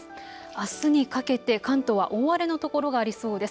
あすにかけて関東は大荒れの所がありそうです。